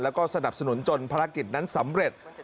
แล้วก็สนับสนุนจนภารกิจนั้นสำเร็จ